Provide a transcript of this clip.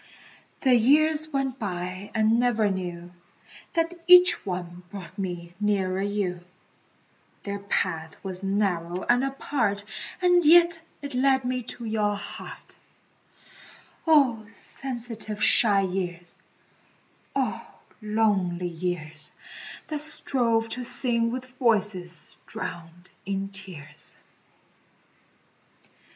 The years went by and never knew That each one brought me nearer you; Their path was narrow and apart And yet it led me to your heart Oh, sensitive, shy years, oh, lonely years, That strove to sing with voices drowned in tears.